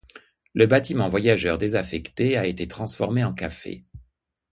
Le bâtiment voyageurs, désaffecté, a été transformé en café.